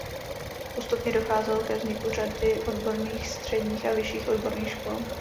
Postupně docházelo ke vzniku řady odborných středních a vyšších odborných škol.